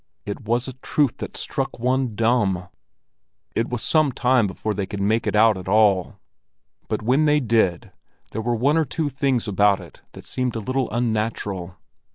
It was a truth that struck one dumb! It was some time before they could make it out at all, but when they did there were one or two things about it that seemed a little unnatural.